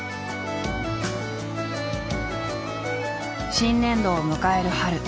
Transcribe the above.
新年度を迎える春。